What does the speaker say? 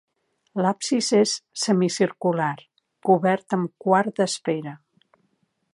L'absis és semicircular cobert amb quart d'esfera.